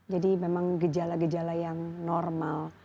jadi memang gejala gejala yang normal